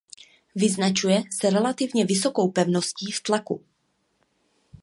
Vyznačuje se relativně vysokou pevností v tlaku.